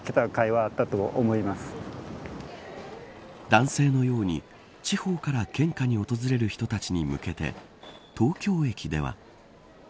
男性のように地方から献花に訪れる人たちに向けて東京駅では。